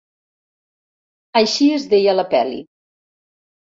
Així es deia la pel·li.